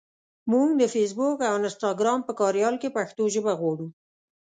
مونږ د فېسبوک او انسټګرام په کاریال کې پښتو ژبه غواړو.